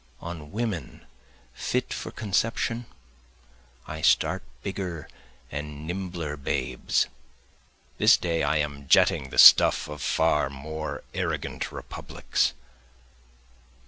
On women fit for conception I start bigger and nimbler babes. (This day I am jetting the stuff of far more arrogant republics.)